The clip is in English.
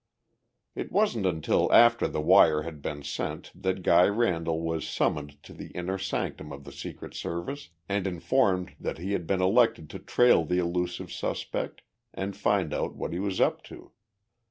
It wasn't until after the wire had been sent that Guy Randall was summoned to the inner sanctum of the Secret Service and informed that he had been elected to trail the elusive suspect and find out what he was up to.